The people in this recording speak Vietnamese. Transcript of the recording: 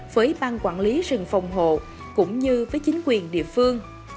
với bang quản lý rừng phòng hộ cũng như với chính quyền địa phương